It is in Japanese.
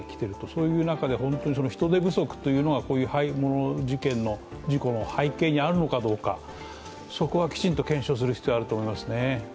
そういう中で人手不足というのがこういう事故の背景にあるのかどうかそこはきちんと検証する必要がありますね。